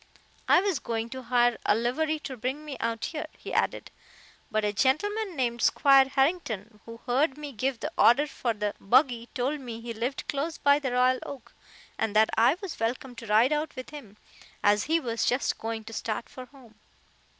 "I was going to hire a livery to bring me out here," he added, "but a gentleman named Squire Harrington, who heard me give the order for the buggy, told me he lived close by the Royal Oak, and that I was welcome to ride out with him, as he was just going to start for home.